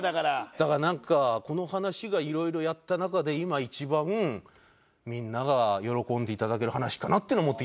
だからなんかこの話がいろいろやった中で今一番みんなが喜んでいただける話かなっていうのを持ってきました。